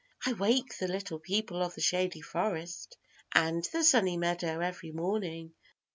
I wake the Little People of the Shady Forest and the Sunny Meadow every morning.